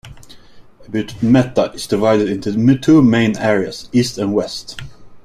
Ebute Metta is divided into two main areas: East and West.